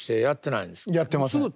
やってないです。